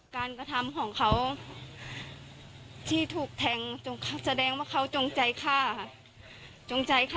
กระทำของเขาที่ถูกแทงจงแสดงว่าเขาจงใจฆ่าค่ะจงใจฆ่า